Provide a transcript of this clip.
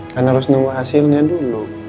kan harus nunggu hasilnya dulu